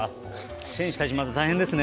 選手たち大変ですね。